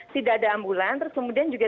tidak ada ambulan terus kemudian juga